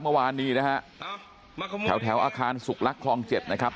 เมื่อวานนี้นะฮะแถวแถวอาคารสุขลักษ์คลอง๗นะครับ